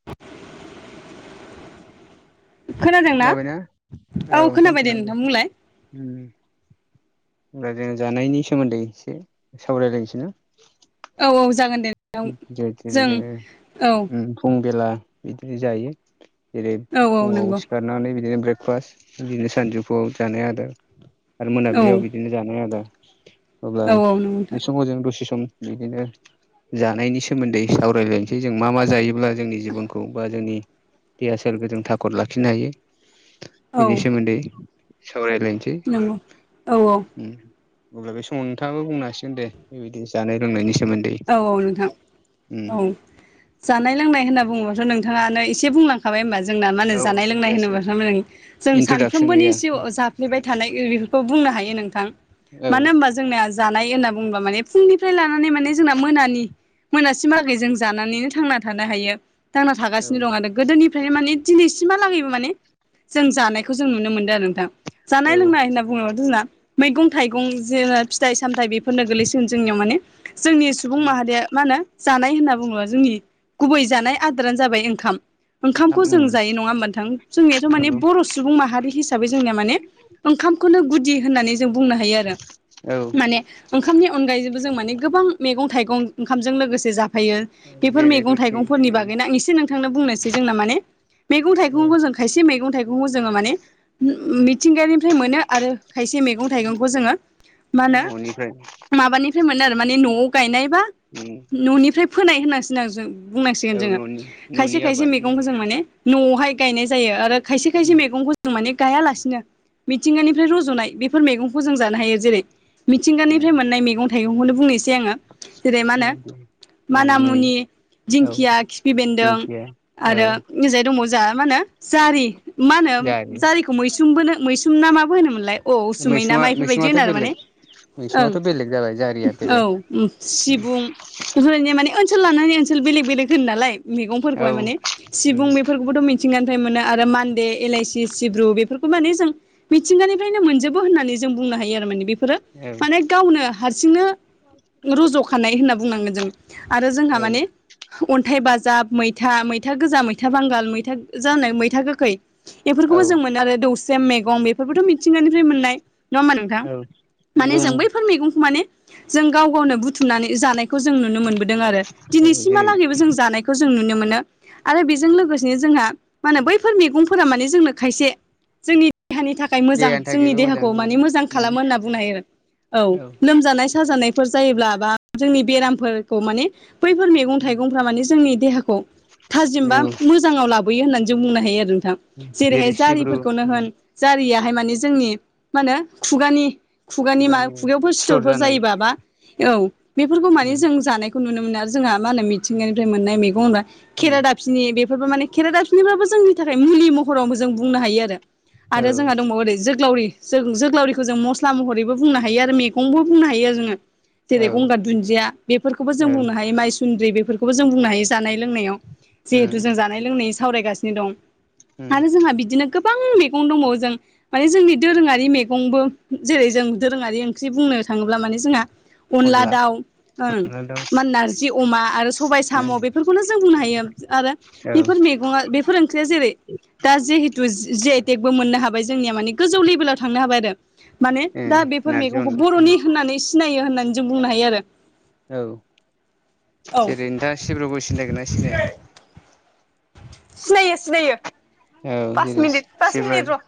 [inaudible] खोनादोंना खोनाबायना औ खोनाबाय दे नोंथां बुंलाय उम। होनब्ला जों जानायनि सोमोन्दै एसे सावरायलायनोसै ना औ औ जागोन दे। नोंथां [unintelligible] जों जोङो औ फुं बेला बिदि जायो। जेरै औ औ फुङाव नंगौ सिखारनानै बिदिनो ब्रेकफास्ट बिदिनो सानजौफुआव जानाय आदार। आरो औ मोनाबिलियाव बिदिनो जानाय आदार अब्ला औ नंगौ नोंथां बे समाव जों दसे सम बिदिनो जानायनि सोमोन्दै सावरायलायनोसै जों मा मा जायोब्ला जोंनि जिबनखौ बा जोंनि देहा सेरखौ जों थाखद लाखिनो हायो औ बिनि सोमोन्दै सावराय लायनोसै नंगौ औ औ उम अब्ला बे समाव नोंथाङाबो बुंनो हासिगोन दे बेबायदिनो जानाय लोंनायनि सोमोन्दै। औ नोंथां उम औ। जानाय लोंनाय होनना बुंङोबाथ' नोंथाङानो एसे बुंलांखाबाय होमबा जोंना मा होनो औ जानाय लोंनाय जासिगोन होनोबा [unintelligible] जों इन्ट्रदाक्सन सानफ्रामबोनि गैया जिउ जा [unintelligible] थानाय बेफोरखौ बुंनो हायो नोंथां औ मानो होनबा जोंनाया जानाय होनना बुंङोबा माने फुंनि फ्राय लानानै माने जोंना मोनानि मोनासिम बागै जों जानानैनो थांना थानो हायो थांना थागासिनो औ दं आरो गोदोनिफ्रायनो माने दिनैसिमहालागैबो माने जों जानायखौ जों नुनो मोनदों आरो नोंथां औ जानाय लोंनाय होनना बुङोब्ला जोंना मैगं थाइगं जे फिथाइ सामथाइ बेफोरनो गोलैसिगोन जोंनियाव माने जोंनि सुबुं माहारिया मा होनो जानाय होनना बुङोबो जोंनि गुबै जानाय आदोरानो जाबाय ओंखाम। ओंखामखौ ओंखाम जों उम जायो नङा होमबा थां जोंनियाथ' माने नंगौ बर' सुबुं माहारि हिसाबै जोंनिया माने ओंखामखौनो गुदि होननानै जों बुंनो हायो आरो औ माने ओंखामनि अनगायैबो जों माने गोबां मैगं थाइगं ओंखामजों लोगोसे जाफायो बेफोर जेरै मैगं रुटि थाइगंफोरनि उम बागैनो आं एसे नों [unintelligible] बुंनोसै जोंना माने मैंगं औ थायगंखौ जों खायसे मैगं थाइगंखौ जोङो माने मिथिंगानिफ्राय मोनो आरो खायसे मैगं थाइगंखौ जोङो मा होनो न'निफ्राय माबानिफ्राय मोनो आरो माने न'आव गायनायबा उ न'निफ्राय फोनाय होननांसिगं बुंनांसिगोन औ जोङो न'नि खायसे न'नि खायसे आबाद उम मैगंखौ जों माने न'आवहाय गायनाय जायो आरो खायसे उम खायसे मैगंखौ जों माने गायालासिनो मिथिंगानिफ्राय रज'नाय बेफोर मैगंखौ जों जानो हायो जेरै- मिथिंगानिफ्राय मोननाय मैगं थाइगंखौनो बुंनोसै आङो। द माना मुनि दिंखिया खिफि बेन्दों। दिंखिया औ आरो निजाय दङ जा मा होनो जारि मा होनो जारि [unintelligible] मैसुम ना माबो होनोमोनलाय अ उसुमै ना मैसुङा मा बेफोरबायदि मैसुङाथ' होनो आरो माने बेलेग मैसुङाथ' ओं बेलेग जाबाय जारि आरो औ सिबुं बेफोरबायदि माने ओनसोल लानानै ओनसोल बेलेग बेलेग होनो नालाय औ मैगंफोरखौहाय माने उम सिबुं बेफोरखौबोथ' मिथि आथिंनिफ्राय मोनो आरो मान्दे एलाइसि सिब्रु बेफोरखौ माने जों मिथिंगानिफ्रायनो मोनजोबो होननानै जों बुंनो हायो आरो माने बेफोरो औ माने गावनो हारसिंनो रज'खानाय होनना बुंनांगोन जों आरो जोंहा औ माने अन्थाइ बाजाब मैथा मैथा गोजा मैथा बांगाल मैथा जानो मैथा गोखै औ बेफोरखौबो जों मोनो आरो दौस्रेम मैगं बेफोरखौथ' मिथिंगानिफ्राय मोननाय नङा होमा नोंथां! औ माने नंगौ जों बैफोर मैगंखौ माने जों गाव गावनो बुथुमनानै जानाय जों नुनो मोनदों आरो। जेरै दिनैसिमहा जों जानाय खौ जों नुनो मोन आरो बेजों लोगोसेनो जों माहोनो बैफोर मे गंफोर माने जोंनो खायसे जोंनि देहानि थाखाय थाखाय मोजां देहानि जोंनि थाखायबो मोजां देहाखौ मानिे मोजां उम खालामो होनना बुंनो हायो आरो औ लोमजानाय साजानाय फोर जायोब्ला बा जोंनि बेरामफोरखौ माने बैफोर मे गं थाइगंफ्रा माने जोंनि देहाखौ थाजिम बा मोजाङाव लाबोयो होननानै जों बुंनो हायो आरो नोंथां। जेरै जेरैहाय सिब्रु जारिफोरखौनो होन जारियाहाय माने जोंनि मा होनो खुगानि खुगानि मा खुगायावफोर सिथर सिथरफोर जानाय जायोब बा औ बेफोरखौ मानि जों जानाय नुनो मोन आरो जोंहा मा होनो मिथिंगानिफ्राय मोननाय मेगं होनबा खेरादा फिनि बेफोरबो माने खेरेदाफिनिबाबो जोंनि थाखाय मुलि महरावबो जों बुंनो हायो आरो औ आरो जोंहा दंबावोओरै जोग्लावरि जोग्लावरिखौ जों मस्ला महरैबो बुंनो हायो आरो मैगंबो बुंनो हायो जोङो। औ जेरै-गंगार दुन्दिया बेफोरखौबो जों औ बुंनो हायो माइ सुन्द्रि बेफोरखौ खौबो जों बुंनो हायो जानाय लोंनायाव जिहेथु जों जानाय लोंनाय सावरायगासिनो दं आरो जोंहा बिदिनो गोबां मैगं दङ जों माने जोंनि दोरोङारि मैगंबो जेरै जों दोरोङारि ओंख्रि बुंनो थाङोब्ला माने जोंहा अनला दाउ उम अनला दाउ माहोनो नारजि अमा आरो सबाय साम' बेफोरखौनो जों बुंनो हायो आरो ए फोर मैगंआ बेफोर ओंख्रिया जेरै दा जिहेतु जे आइटेकबो मोननो हाबाय जोंनिया माने गोजौ लेभेलाव थांनो हाबाय आरो माने दा बेफोर नारजि मैगंखौ अनला बर'नि होननानै सिनायो होननानै जों बुंनो हायो आरो औ औ जेरै नोंथाङ सिब्रबो सिनायगोन ना सिनाया सिनायो सिनायो। औ पास जेरै मिनिट पास सिब्रुआ मिनिट र'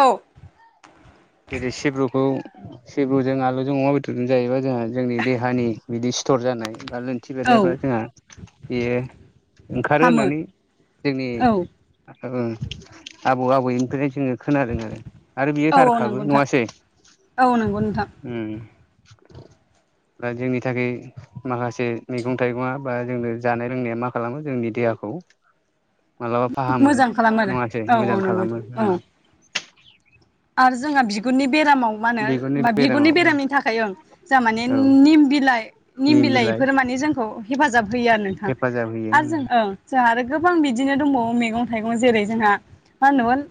औ जेरै सिब्रुखौ सिब्रुजों आलुजों अमा बेदरजों जायोबा जोंहा जोंनि देहानि बिदि सिथर जानाय बा खिथि औ बेरनायफ्रा जोंहा बेयो ओंखारो हामो होननानै जोंनि औ औ आबौ आबौनिफ्रायनो जोङो खोनादों आरो आरो बेयो थार औ औ खाबो नंगौ नोंथां नंङासै औ नंगौ नोंथां दा जोंनि थाखाय माखासे मैगं थाइगङा बा जोंनो जानाय लोंनाया मा खालामो जोंनि देहाखौ खौ मालाबा फाहामो मोजां खालामो आरो नङासै औ औ मोजां नंगौ खालामो। नोंथां औ आरो जोंहा बिगुरनि बेरामाव मा बिगुरनि होनो बिगुरनि बेरामाव बेरामनि थाखाय जोंहा माने औ निम बिलाइ निम बिलाइफोर माने जोंखौ हेफाजाब होयो आरो नोंथां हेफाजाब होयो आरो उम जों ओं जोंहा आरो गोबां बिदिनो दंबावो मैगं थाइगं जेरै जोंहा मा होनोमोन।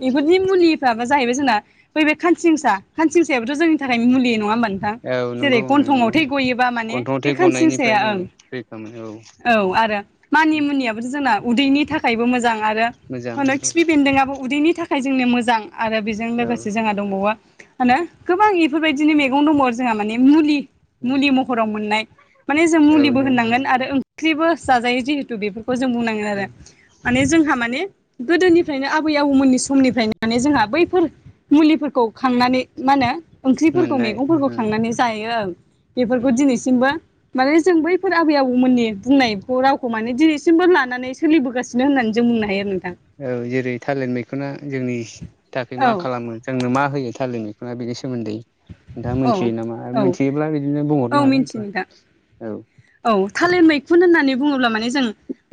बेफोरदि मुलि फ्राबो जाहैबाय जोंना बै बे खानसिंसा खानसिंसायाबोथ' जोंनि थाखाय मुलि नङा होमबा औ जेरै नंगौ उम गन्थंआव नंगौ थै गयोबा माने गन्थं थै बे खानसिन गनायनिफ्राय साया जोङो ओं रैखा मोनो औ आरो मानि मुनियाबोथ' जोंना उदैनि थाखायबो मोजां आरो आरो मोजां होनो खिफि बेन्दोंआबो उदैनि थाखाय जोंनो मोजां आरो बेजों औ लोगोसे जोंहा दंबावो माहोनो गोबां बेफोरबायदिनो मैगं दंबावो आरो जोंहा माने मुलि मुलि महराव मोननाय माने जों औ मुलिबो जों होननांगोन आरो ओंख्रिबो जाजायो जिहेतु बेफोरखौ खौ जों बुंनांगोन आरो माने जोंहा माने गोदोनिफ्रायनो आबै आबौमोननि समनिफ्राय माने जोंहा बैफोर मुलिफोरखौ खांनानै मा होनो ओंख्रिफोरखौ मोननाय मैगंफोरखौ उम खांनानै जायो उम बेफोरखौ दिनैसिमबो माने जों बैफोर आबै आबौमोननि बुंनाय रावखौ माने दिनैसिमबो लानानै सोलिबोगासिनो। बिदिनो होननानै जों बुंनो हायो आरो नोंथां। औ जेरै थालिर मैखुना जोंनि थाखाय औ मा खालामो। जोंनो मा होयो थालिर मैखुना बेनि सोमोन्दै नोंथाङा औ मोनथियो नामा आरो औ मिथियोब्ला बिदिनो औ बुंहरनो मिन्थियो नोंथां हागोन औ औ थालिर मैखुन होननानै बुङोब्ला माने जों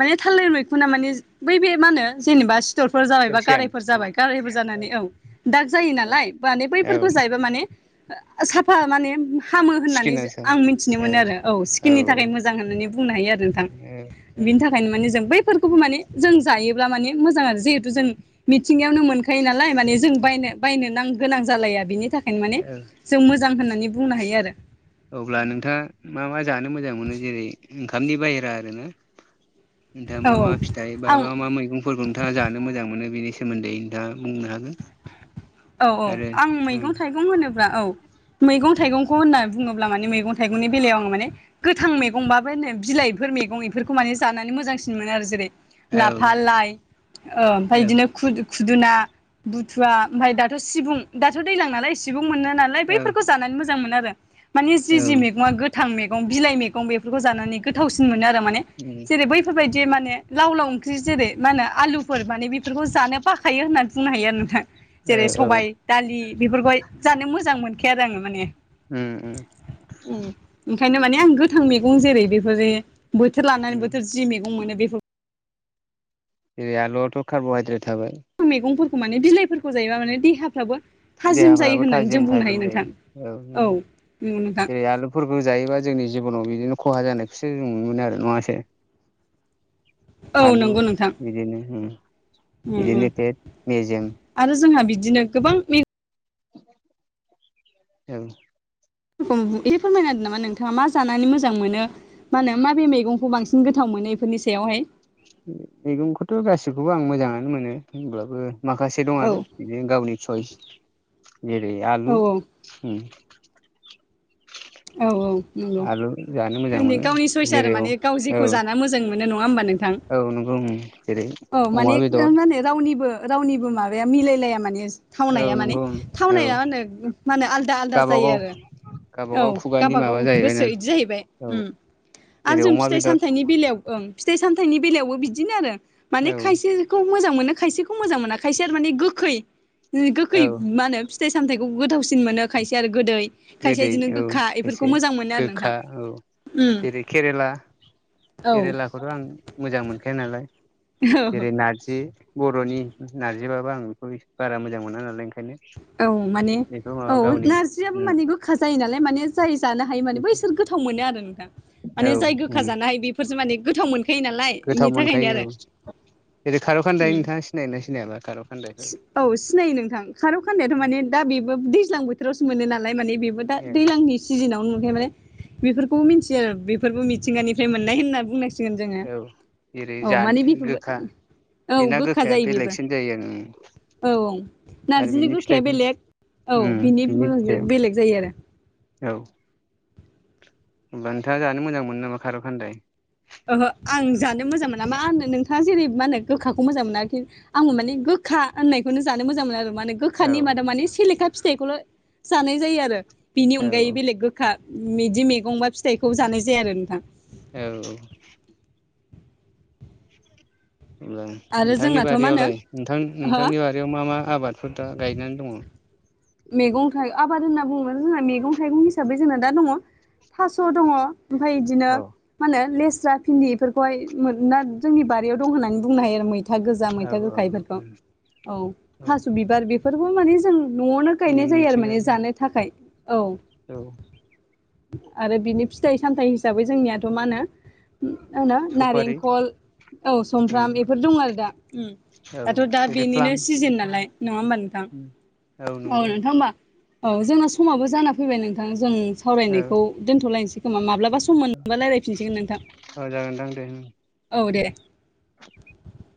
माने थालिर मैखुना माने बै बे मा होनो जेनेबा सिटरफोर जाबाय बा केलसियाम गारायफोर जाबाय गारायफोर जानानै औ दाग जायो नालाय माने औ बैफोरखौ जायोबा माने साफा माने हामो होननानै स्किना सार आं मिथिनो मोनो आरो औ सिकिननि थाखाय औ मोजां होननानै बुंनो हायो आरो नोंथां। औ बिनि थाखायनो माने जों बैफोरखौबो माने जों जायोब्ला माने मोजां आरो जिहेतु जों मिथिंगायावनो मोनखायो नालाय माने जों बायनो बायनो नां गोनां जालाया बिनि थाखायनो माने जों मोजां होननानै बुंनो हायो आरो अब्ला नोंथाङा मा मा जानो मोजां मोनो जेरै ओंखामनि बाहेरा आरो ना? नोथाङा औ मा मा फिथाइ बा आं मा मा मैगं फोरखौ नोंथाङा जानो मोजां मोनो बेनि सोमोन्दै नोंथाङा बुंनो हागोन। औ औ आरो आं औ मैगं थाइगं होनोब्ला औ मैगं थाइगंखौ होनना बुङोब्ला माने मैगं थाइगंनि बेलायाव आङो माने गोथां मैगंबाबो होनो बिलाइफोर मैगं बेफोरखौ माने जानानै मोजांसिन मोन आरो जेरै औ लाफा लाइ ओमफ्राय बिदिनो खुदुना बुथुवा ओमफ्राय दाथ' सिबुं दाथ' दैज्लां नालाय सिबुं मोनो नालाय औ बैफोरखौ जानानै मोजां मोनो आरो मानि जि जि मैगङा गोथां मैगं बिलाइ मैगं बेफोरखौ जानानै गोथावसिन मोनो आरो माने जेरै बै बेफोरबायदि माने लाव लाव ओंख्रि जेरै मा होनो आलु मान बेफोरखौ जानो बाखायो होननानै बुंनो हायो आरो नोंथाङा जेरै औ सबायाइ दालि बेफोरखौहाय जानो मोजां मोनखाया आरो आङो माने उम ओंखायनो माने आं गोथां मैगं जेरै बेफोर बोथोर औ लानानै बोथोर जि मैगं मोनो बेफोरखौ जेरै आलुआथ' कारब'हाइद्रेट थाबाय। मैगंफोरखौ माने बिलाइफोरखौ जायोबा माने देहाफ्राबो थाजिम जायो देहाफ्राबो होननानै थाजिम जों बुंनो थाजिम हायो नोंथां जायो औ नंगौ नोंथां। फोरखौ जायोबा जोंनि जिबनाव बिदिनो खहा जानायखौसो जों नु मोनो आरो नङासो। औ आलु नंगौ नोंथां बिदिनि उम उम बिदिनो फेद मेजेम आरो जोंहा बिदिनो गोबां। ए रख ए फोरमायनादों नामा नोंथाङा मा जानानै मोजां मोनो। मा होनो माबे मैगंखौ बांसिन गोथाव मोनो बेफोरनि सायावहाय मैगंखौथ' गासिखौबो आं मोजाङानो मोनो हब्लाबो माखासे दं औ आरो। बि गावनि सइस गेरै औ आलु औ नंगौ आलु जानो मोजां ने मोनो गावनि सयस आरो जेरै औ माने गाव जेखौ जान मोजां मोनो नङा होमबा नोंथां। औ नंगौ उम जेरै औ अमा माने बेदर मा होनो रावनिबो रावनिबो माबाया मिलायलाया माने औ थावनाया माने नंगौ उम औ थावनाया मे माने आलदा आलदा जायो गावबागाव आरो औ गावबागाव खुगानि गावबागाव माबा जाहैबाय ना गोसो बिदि जाहैबाय औ आरो जेरै जों अमा फिथाइ बेदर सामथनि फिथाइ सामथनि बेलबो बिदिनो आरो मान औ खायसेखौ मोजां मोनाय खौ मोजां मोनाखायस आरो माने गोखै गोखै औ म फिथाइ सामथाइखौ गोथावसिन मोनो खायसे आरो गोदै। गो खायसे बिदिनो गोखा द बेफोरखौ से मोजां मोनो आरो गोखा नोंथां औ उम जेरै केरेला औ केरेला खौथ' आं मोजां मोनखाया नालाय औ जेरै नारजि बर'नि नारजिबाबो आं बेखौसे बारा मोजां मोना नालाय ओंखायनो। औ माने बेखौ औ माबा गावनि नारजियाबो माने गोखा जायो नालाय माने जाय जानो हायो माने ब इसोर गोथाव मोनो आरो नों मान औ जाय गोखा ज हायो बे। फोरस माने गोथाव मोनखायो नालाय बेनि गोथाव थाखायनो आरो मोनखायो औ जेरै खारकखद उम नोंथाङा सिनाया सिनायाब्ला खार' औ सिनायो नोंथां खारौ खान्नायाथ' माने दा बेबो दैज्लां बोथोरावसो मोनो नालाय माने बेबो दा दैज्लांनि सिजोनावनो मोनखाया माने बेफोरखौबो मिथियो आरो बेफोरबो मिथिंगानिफ्राय मोननाय होनना बुंनांगोन। मिसिगोन जोङो औ जेरै औ जानो माने बेफोरबो गोखा औ गोखा जायो बेबो। जायोनो औ नारजिनि गोखाया बेलेग औ बिनि बेलेग जायो आरो। औ नोंथाङा जानो मोजां मोनो नामा खार' खान्दाय? ओहो आं जानो मोजां मोना मा होनो नोंथाङा जेरै मा होनो गोखाखौ मोजां मोनाखि। आंबो माने गोखा होननायखौनो जानो मोजां मोनो आरो मानो। औ गोखानि मादा माने सेलेखा फिथाइखौल' जानाय जायो आरो बिनि औ अनगायै बेलेग गो खा बिदि मैगं बा फिथाइखौ जानाय जाया आरो नोंथां। औ हब्ला आरो नोंथांनि जोंनाथ' मा होनो बारियावलाय नोंथां हो नोंथांनि बारियाव मा मा आबादफोर दा गायनानै दङ। मैगं थाइं आबाद होनना बुङोब्ला जोंहा मैगं थाइगं हिसाबै जोंना दा दङ थास' दङ। ओमफफ्राय बिदिनो औ मा होनो लेस्रा फिन्दि बेफोरखौहाय ना जोंनि बारियाव दं होननानै बुंनो हायो आरो। मै मैथा गोजा औ मैथा औ गोखायफोरखौ औ औ थास' बिबार बेबो माने जों न'आवनो। गायनाय जों जायो आरो माने मिथिंगानि जानो थाखाय औ। औ आरो बिनि फिथाइ सामथायाइ हिसाबै जोंनियाथ' मा होनो मा होनो सफारि नारेंखल औ सुमफ्राम उम बेफोर दं आरो दा। औ दाथ' दा बेनिनो सिजोन नालाय नङा होमबा नोंथां। उ औ नोंथां होमबा औ जोंना समाबो जाना फैबाय नोंथां जों औ सावरायनायखौ दोनथ'लायनोसै खोमा माब्लाबा सम मोनबा रायजलायफिनसिगोन नोंथां औ जागोनदां दे उम औ दे। [inaudible]